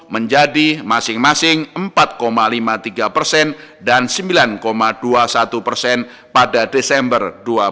menjadi masing masing empat lima puluh tiga persen dan sembilan dua puluh satu persen pada desember dua ribu dua puluh